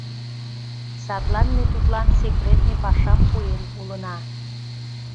Садлан ме тудлан секретный пашам пуэн улына.